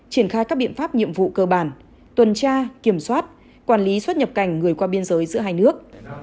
công an đã chỉ đạo với các đơn vị nghiệp vụ cơ bản tuần tra kiểm soát quản lý xuất nhập cảnh người qua biên giới giữa hai nước